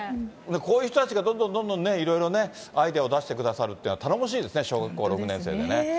こういう人たちがどんどんどんどんね、いろいろね、アイデアを出してくださるというのは、頼もしいですね、小学校６年生でね。